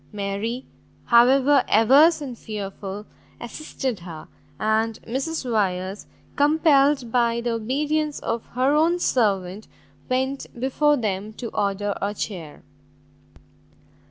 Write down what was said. Mary, however averse and fearful, assisted her, and Mrs Wyers, compelled by the obedience of her own servant, went before them to order a chair.